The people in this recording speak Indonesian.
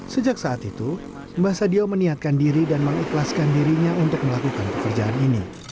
sejak saat itu mbah sadio meniatkan diri dan mengikhlaskan dirinya untuk melakukan pekerjaan ini